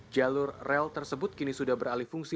jalur rel tersebut kini sudah beralih fungsi